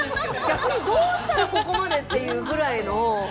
◆逆に、どうしたらここまでっていうぐらいの。